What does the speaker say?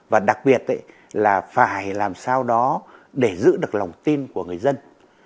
và đặc biệt là phải làm sao đó để giữ được lòng tin của người dân